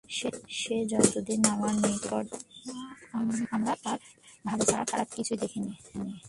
সে যতদিন আমাদের নিকট ছিল আমরা তার ভাল ছাড়া খারাপ কিছুই দেখিনি।